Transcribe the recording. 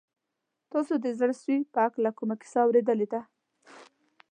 تاسو د زړه سوي په هکله کومه کیسه اورېدلې ده؟